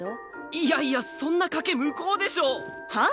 いやいやそんな賭け無効でしょ。はあ？